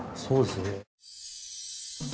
そうですね。